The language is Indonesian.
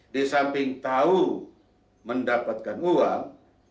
di samping tahu mendapatkan uang